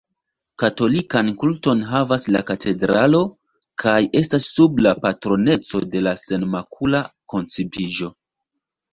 Katolikan kulton havas la katedralo, kaj estas sub la patroneco de la Senmakula koncipiĝo.